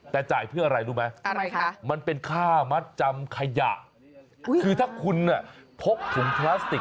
แต่จ่ายเพื่ออะไรรู้ไหมอะไรคะมันเป็นค่ามัดจำขยะคือถ้าคุณพกถุงพลาสติก